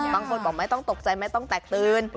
บางคนบอกไม่ต้องตกใจไม่ต้องแตกตื่น